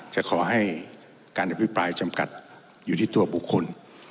จะขอให้การอภิปรายจำกัดอยู่ที่ตัวบุคคล